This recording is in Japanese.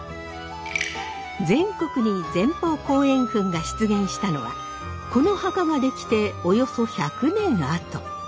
全国に前方後円墳が出現したのはこの墓が出来ておよそ１００年あと。